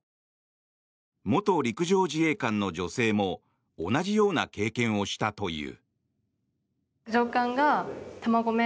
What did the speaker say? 元陸上自衛官の女性も同じような経験をしたという。